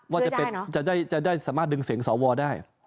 ว่าจะได้สามารถดึงเสร็งสอวทร์วอได้